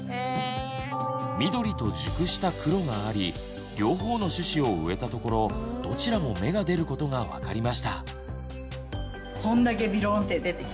緑と熟した黒があり両方の種子を植えたところどちらも芽が出ることが分かりました。